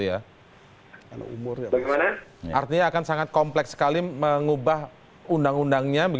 artinya akan sangat kompleks sekali mengubah undang undangnya